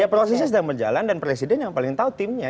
ya prosesnya sedang berjalan dan presiden yang paling tahu timnya